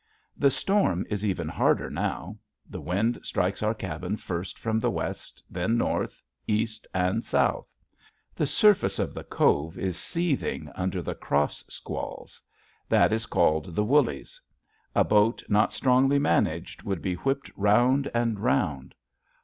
The storm is even harder now. The wind strikes our cabin first from the west, then north, east, and south. The surface of the cove is seething under the cross squalls; that is called the "wullys." A boat not strongly managed would be whipped round and round.